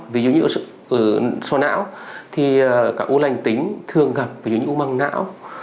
ví dụ như ở sổ não thì cả u lành tính thường gặp ví dụ như u măng não